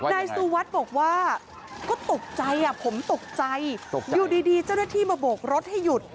นายสุวัสดิ์บอกว่าก็ตกใจผมตกใจอยู่ดีเจ้าหน้าที่มาโบกรถให้หยุด